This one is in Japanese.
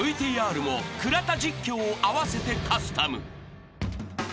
［ＶＴＲも倉田実況を合わせてカスタム］